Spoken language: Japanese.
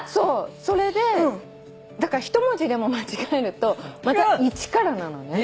それでだから１文字でも間違えるとまた一からなのね。